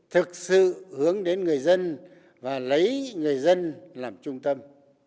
hướng đến người dân và lấy người dân làm trung tâm